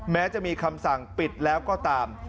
แม้จะมีคำสั่งปิดแล้วก็ตาม